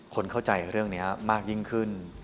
คนเข้าใจเรื่องนี้มากยิ่งขึ้น